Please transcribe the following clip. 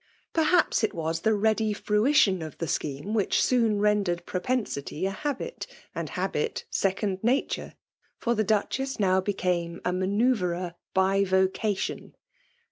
Perhaps it was the ready fruition of the scheme which soon rendered propensity a habit, and habit second nature; for the Duchess now became a manoeuvrer by voca tion.